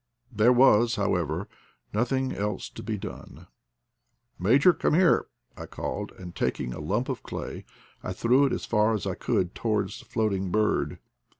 There was, however, noth ing else to be done. '' Major, come here, " I called, and, taking a lump of clay I threw it as far as I could towards the floating bird.